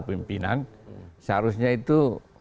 pimpinan seharusnya itu